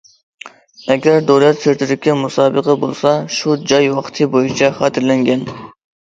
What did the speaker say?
ئەگەر دۆلەت سىرتىدىكى مۇسابىقە بولسا شۇ جاي ۋاقتى بويىچە خاتىرىلەنگەن.